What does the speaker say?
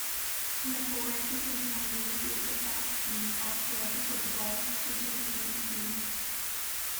The Kuwaiti Premier League is the top league of Kuwaiti football, featuring eighteen teams.